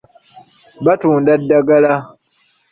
Batunda ddagala.